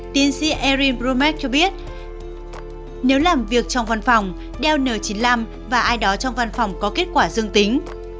tiến sĩ erin bromack cho biết nếu làm việc trong văn phòng đeo kn chín mươi năm và ai đó trong văn phòng có kết quả dương tính